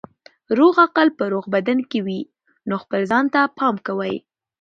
روغ عقل په روغ بدن کې وي نو خپل ځان ته پام کوئ.